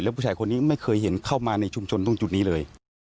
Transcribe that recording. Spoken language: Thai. ผู้ชายคนนี้ไม่เคยเห็นเข้ามาในชุมชนตรงจุดนี้เลย